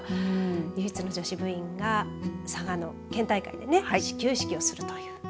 唯一の女子部員が佐賀の県大会で始球式をするという。